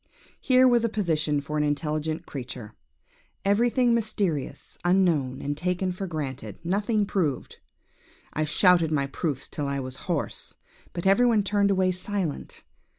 Here was a position for an intelligent creature! Everything mysterious, unknown, and taken for granted; nothing proved. I shouted for proofs till I was hoarse, but every one turned away silent.